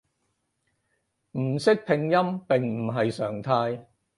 唔識拼音並唔係常態